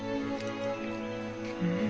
うん。